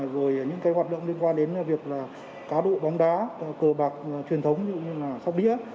rồi những hoạt động liên quan đến cá độ bóng đá cờ bạc truyền thống như sóc đĩa